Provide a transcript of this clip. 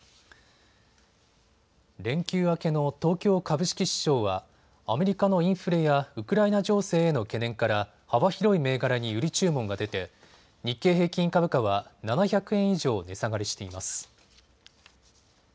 連休明けの東京株式市場はアメリカのインフレやウクライナ情勢への懸念から幅広い銘柄に売り注文が出て日経平均株価は７００円以上値下がりしています。